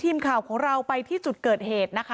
ทีมข่าวของเราไปที่จุดเกิดเหตุนะคะ